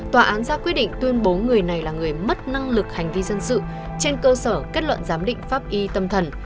tòa án ra quyết định tuyên bố người này là người mất năng lực hành vi dân sự trên cơ sở kết luận giám định pháp y tâm thần